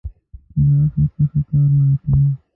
چې له عقل څخه کار نه اخلي.